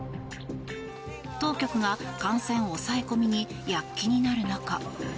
当局が感染抑え込みに躍起になる中。